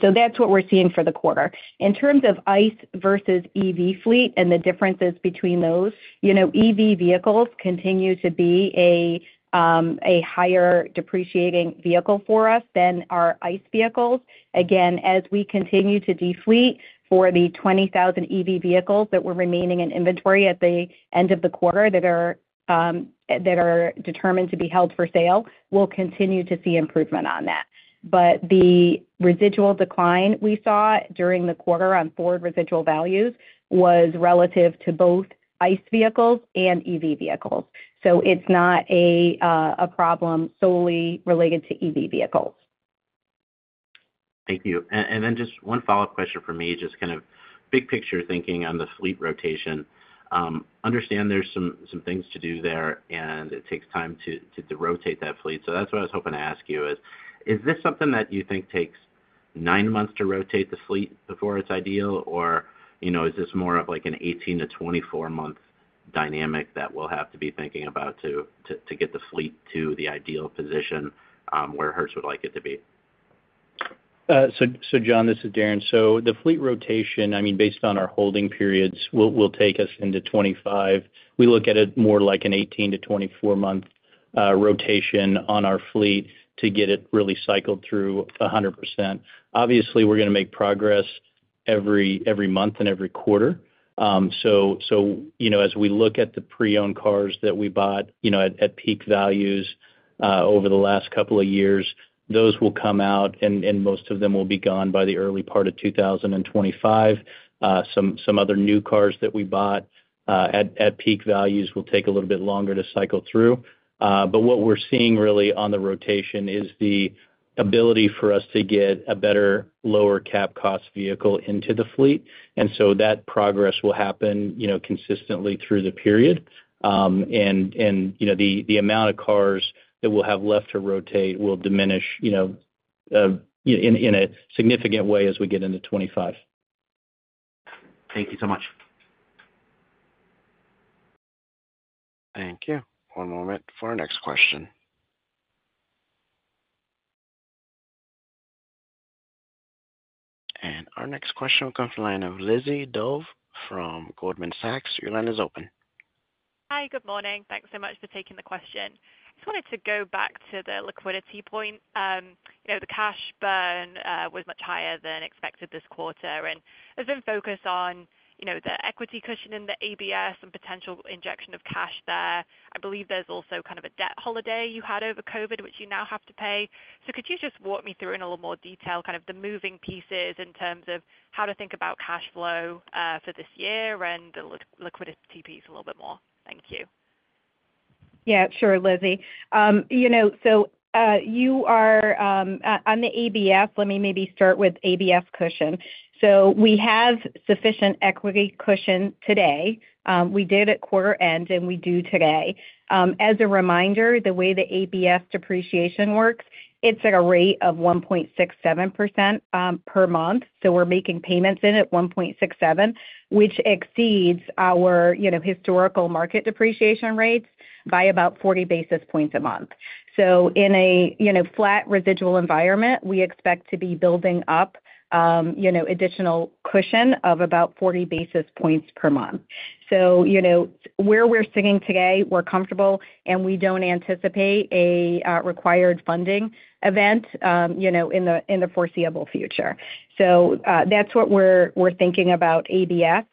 So that's what we're seeing for the quarter. In terms of ICE versus EV fleet and the differences between those, EV vehicles continue to be a higher depreciating vehicle for us than our ICE vehicles. Again, as we continue to defleet for the 20,000 EV vehicles that were remaining in inventory at the end of the quarter that are determined to be held for sale, we'll continue to see improvement on that. But the residual decline we saw during the quarter on forward residual values was relative to both ICE vehicles and EV vehicles. So it's not a problem solely related to EV vehicles. Thank you. And then just one follow-up question from me, just kind of big picture thinking on the fleet rotation. Understand there's some things to do there, and it takes time to rotate that fleet. So that's what I was hoping to ask you is, is this something that you think takes nine months to rotate the fleet before it's ideal, or is this more of an 18- to 24-month dynamic that we'll have to be thinking about to get the fleet to the ideal position where Hertz would like it to be? So John, this is Darren. So the fleet rotation, I mean, based on our holding periods, will take us into 2025. We look at it more like an 18-24-month rotation on our fleet to get it really cycled through 100%. Obviously, we're going to make progress every month and every quarter. So as we look at the pre-owned cars that we bought at peak values over the last couple of years, those will come out, and most of them will be gone by the early part of 2025. Some other new cars that we bought at peak values will take a little bit longer to cycle through. But what we're seeing really on the rotation is the ability for us to get a better lower cap-cost vehicle into the fleet. And so that progress will happen consistently through the period. The amount of cars that we'll have left to rotate will diminish in a significant way as we get into 2025. Thank you so much. Thank you. One moment for our next question. Our next question will come from the line of Lizzie Dove from Goldman Sachs. Your line is open. Hi. Good morning. Thanks so much for taking the question. I just wanted to go back to the liquidity point. The cash burn was much higher than expected this quarter. There's been focus on the equity cushion in the ABS and potential injection of cash there. I believe there's also kind of a debt holiday you had over COVID, which you now have to pay. Could you just walk me through in a little more detail kind of the moving pieces in terms of how to think about cash flow for this year and the liquidity piece a little bit more? Thank you. Yeah, sure, Lizzie. So you are on the ABS. Let me maybe start with ABS cushion. So we have sufficient equity cushion today. We did at quarter end, and we do today. As a reminder, the way the ABS depreciation works, it's at a rate of 1.67% per month. So we're making payments in at 1.67, which exceeds our historical market depreciation rates by about 40 basis points a month. So in a flat residual environment, we expect to be building up additional cushion of about 40 basis points per month. So where we're sitting today, we're comfortable, and we don't anticipate a required funding event in the foreseeable future. So that's what we're thinking about ABS.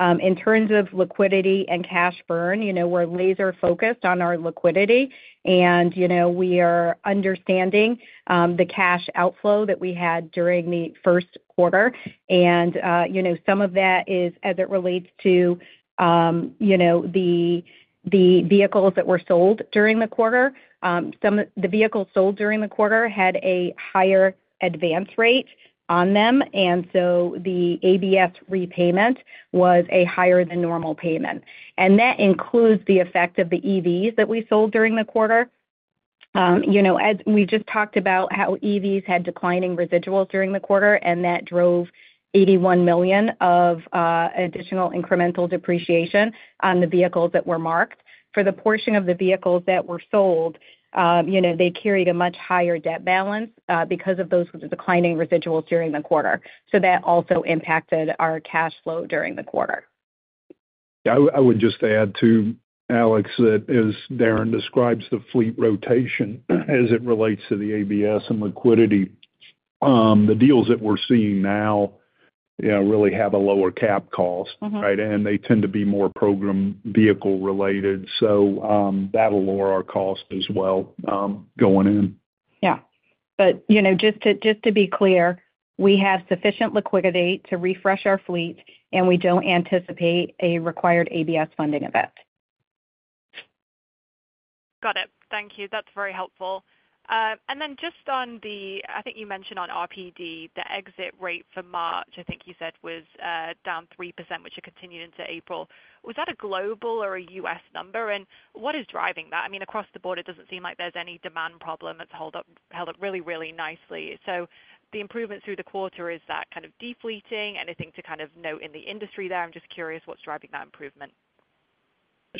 In terms of liquidity and cash burn, we're laser-focused on our liquidity, and we are understanding the cash outflow that we had during the first quarter. Some of that is as it relates to the vehicles that were sold during the quarter. The vehicles sold during the quarter had a higher advance rate on them, and so the ABS repayment was a higher-than-normal payment. That includes the effect of the EVs that we sold during the quarter. We just talked about how EVs had declining residuals during the quarter, and that drove $81 million of additional incremental depreciation on the vehicles that were marked. For the portion of the vehicles that were sold, they carried a much higher debt balance because of those declining residuals during the quarter. That also impacted our cash flow during the quarter. Yeah. I would just add to Alex that as Darren describes the fleet rotation as it relates to the ABS and liquidity, the deals that we're seeing now really have a lower cap cost, right? And they tend to be more program vehicle-related. So that'll lower our cost as well going in. Yeah. But just to be clear, we have sufficient liquidity to refresh our fleet, and we don't anticipate a required ABS funding event. Got it. Thank you. That's very helpful. And then just on the—I think you mentioned on RPD, the exit rate for March, I think you said was down 3%, which had continued into April. Was that a global or a U.S. number? And what is driving that? I mean, across the board, it doesn't seem like there's any demand problem. It's held up really, really nicely. So the improvement through the quarter is that kind of defleeting? Anything to kind of note in the industry there? I'm just curious what's driving that improvement.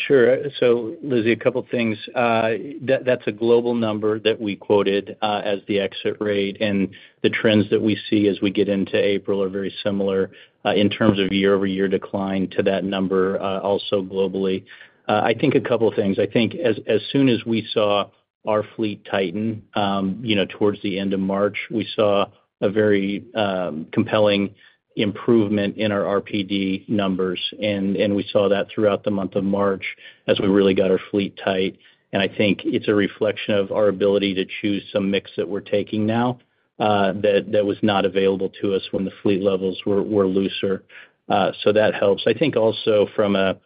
Sure. So Lizzie, a couple of things. That's a global number that we quoted as the exit rate. And the trends that we see as we get into April are very similar in terms of year-over-year decline to that number also globally. I think a couple of things. I think as soon as we saw our fleet tighten towards the end of March, we saw a very compelling improvement in our RPD numbers. And we saw that throughout the month of March as we really got our fleet tight. And I think it's a reflection of our ability to choose some mix that we're taking now that was not available to us when the fleet levels were looser. So that helps. I think also from a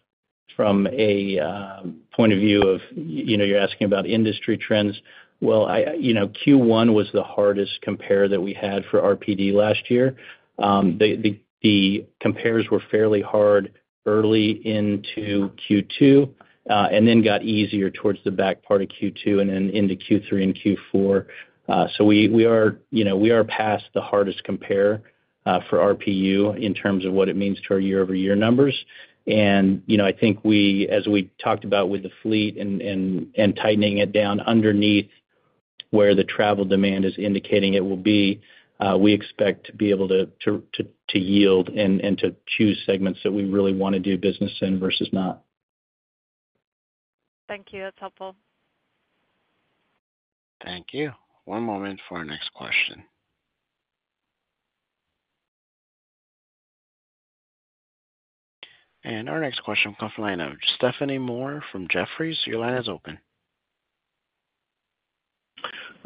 point of view of you're asking about industry trends, well, Q1 was the hardest compare that we had for RPD last year. The compares were fairly hard early into Q2 and then got easier towards the back part of Q2 and then into Q3 and Q4. So we are past the hardest compare for RPU in terms of what it means to our year-over-year numbers. And I think as we talked about with the fleet and tightening it down underneath where the travel demand is indicating it will be, we expect to be able to yield and to choose segments that we really want to do business in versus not. Thank you. That's helpful. Thank you. One moment for our next question. Our next question comes from the line of Stephanie Moore from Jefferies. Your line is open.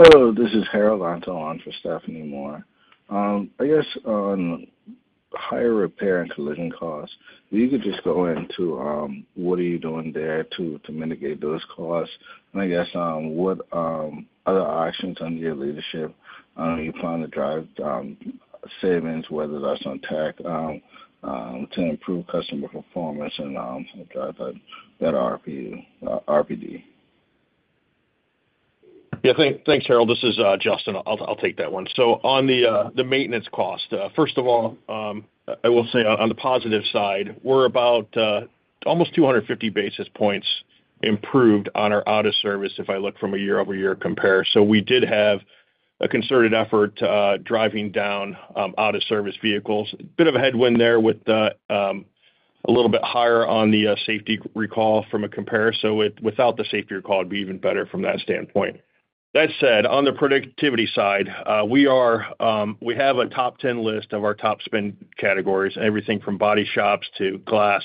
Oh, this is Harold Antor for Stephanie Moore. I guess on higher repair and collision costs, if you could just go into what are you doing there to mitigate those costs? And I guess what other options under your leadership you find that drive savings, whether that's on tech, to improve customer performance and drive that RPD? Yeah. Thanks, Harold. This is Justin. I'll take that one. So on the maintenance cost, first of all, I will say on the positive side, we're about almost 250 basis points improved on our out-of-service if I look from a year-over-year compare. So we did have a concerted effort driving down out-of-service vehicles. A bit of a headwind there with a little bit higher on the safety recall from a compare. So without the safety recall, it'd be even better from that standpoint. That said, on the productivity side, we have a top 10 list of our top spend categories, everything from body shops to glass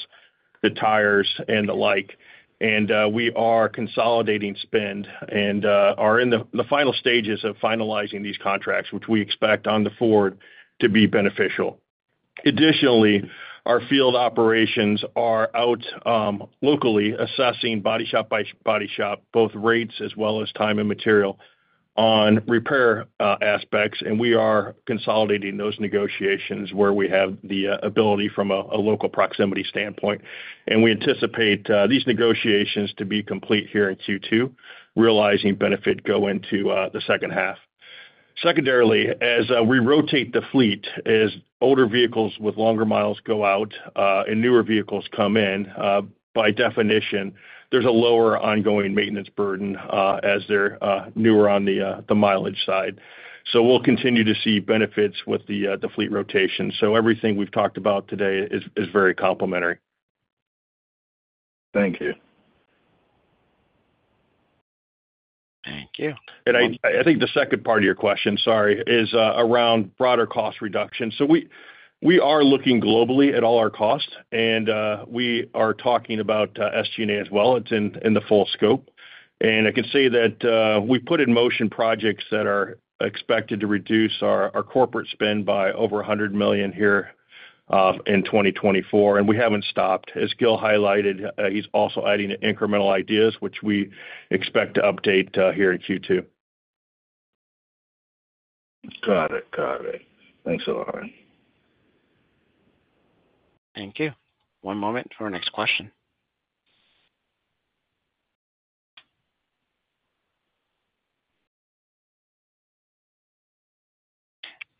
to tires and the like. And we are consolidating spend and are in the final stages of finalizing these contracts, which we expect on the Ford to be beneficial. Additionally, our field operations are out locally assessing body shop by body shop, both rates as well as time and material on repair aspects. We are consolidating those negotiations where we have the ability from a local proximity standpoint. We anticipate these negotiations to be complete here in Q2, realizing benefits going into the second half. Secondarily, as we rotate the fleet, as older vehicles with longer miles go out and newer vehicles come in, by definition, there's a lower ongoing maintenance burden as they're newer on the mileage side. We'll continue to see benefits with the fleet rotation. Everything we've talked about today is very complementary. Thank you. Thank you. I think the second part of your question, sorry, is around broader cost reduction. We are looking globally at all our costs, and we are talking about SG&A as well. It's in the full scope. I can say that we put in motion projects that are expected to reduce our corporate spend by over $100 million here in 2024. We haven't stopped. As Gil highlighted, he's also adding incremental ideas, which we expect to update here in Q2. Got it. Got it. Thanks a lot. Thank you. One moment for our next question.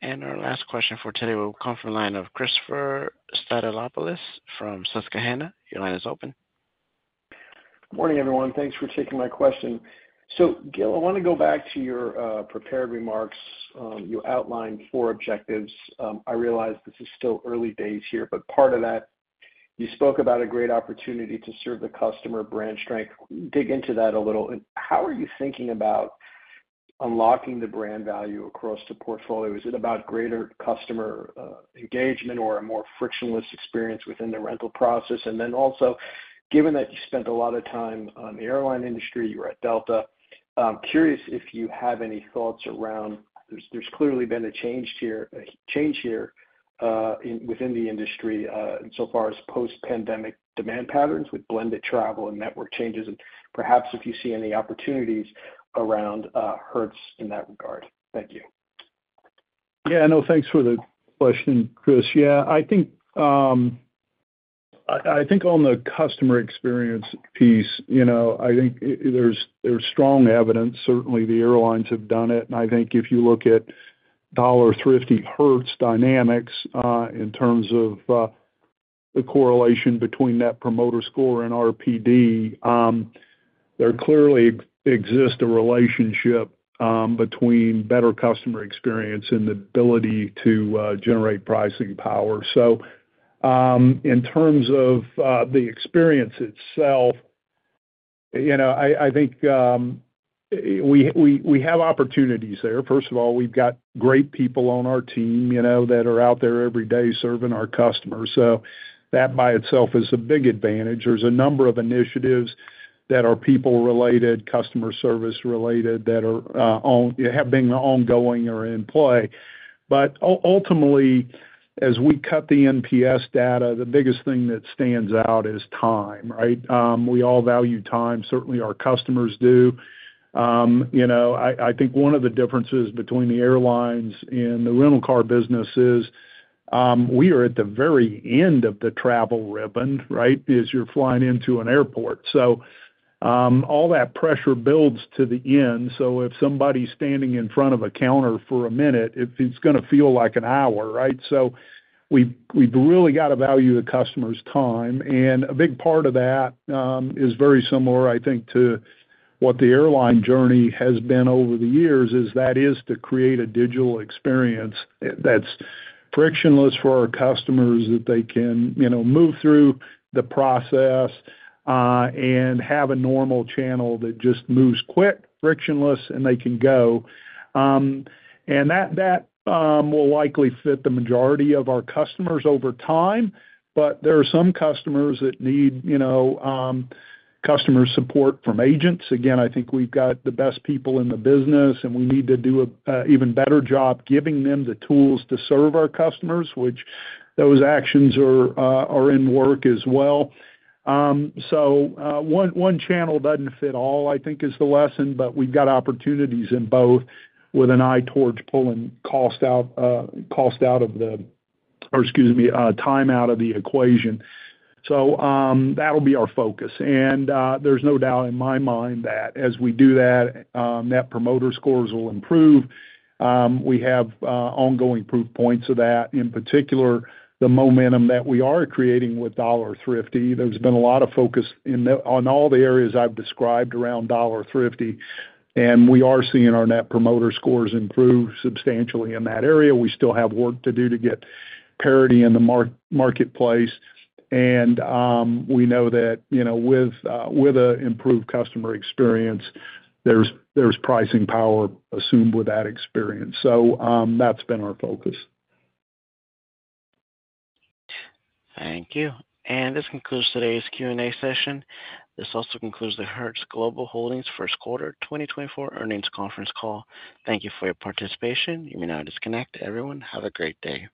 Our last question for today will come from the line of Christopher Stathoulopoulos from Susquehanna. Your line is open. Good morning, everyone. Thanks for taking my question. So Gil, I want to go back to your prepared remarks. You outlined four objectives. I realize this is still early days here, but part of that, you spoke about a great opportunity to serve the customer brand strength. Dig into that a little. How are you thinking about unlocking the brand value across the portfolio? Is it about greater customer engagement or a more frictionless experience within the rental process? And then also, given that you spent a lot of time on the airline industry, you were at Delta. I'm curious if you have any thoughts around. There's clearly been a change here within the industry in so far as post-pandemic demand patterns with blended travel and network changes. And perhaps if you see any opportunities around Hertz in that regard. Thank you. Yeah. No, thanks for the question, Chris. Yeah. I think on the customer experience piece, I think there's strong evidence. Certainly, the airlines have done it. And I think if you look at Dollar, Thrifty, Hertz dynamics in terms of the correlation between Net Promoter Score and RPD, there clearly exists a relationship between better customer experience and the ability to generate pricing power. So in terms of the experience itself, I think we have opportunities there. First of all, we've got great people on our team that are out there every day serving our customers. So that by itself is a big advantage. There's a number of initiatives that are people-related, customer service-related, that have been ongoing or in play. But ultimately, as we cut the NPS data, the biggest thing that stands out is time, right? We all value time. Certainly, our customers do. I think one of the differences between the airlines and the rental car business is we are at the very end of the travel ribbon, right, as you're flying into an airport. So all that pressure builds to the end. So if somebody's standing in front of a counter for a minute, it's going to feel like an hour, right? So we've really got to value the customer's time. And a big part of that is very similar, I think, to what the airline journey has been over the years, is that to create a digital experience that's frictionless for our customers that they can move through the process and have a normal channel that just moves quick, frictionless, and they can go. And that will likely fit the majority of our customers over time. But there are some customers that need customer support from agents. Again, I think we've got the best people in the business, and we need to do an even better job giving them the tools to serve our customers, which those actions are in work as well. So one channel doesn't fit all, I think, is the lesson. But we've got opportunities in both with an eye towards pulling cost out of the or excuse me, time out of the equation. So that'll be our focus. And there's no doubt in my mind that as we do that, Net Promoter Scores will improve. We have ongoing proof points of that, in particular, the momentum that we are creating with Dollar Thrifty. There's been a lot of focus on all the areas I've described around Dollar Thrifty. And we are seeing our Net Promoter Scores improve substantially in that area. We still have work to do to get parity in the marketplace. We know that with an improved customer experience, there's pricing power assumed with that experience. That's been our focus. Thank you. This concludes today's Q&A session. This also concludes the Hertz Global Holdings first quarter 2024 earnings conference call. Thank you for your participation. You may now disconnect. Everyone, have a great day.